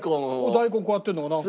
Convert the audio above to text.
大根こうやってるのがなんか。